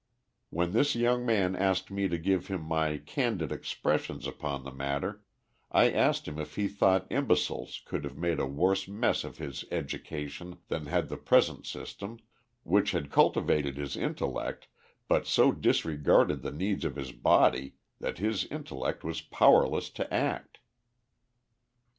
When this young man asked me to give him my candid expressions upon the matter, I asked him if he thought imbeciles could have made a worse mess of his "education" than had the present system, which had cultivated his intellect, but so disregarded the needs of his body that his intellect was powerless to act.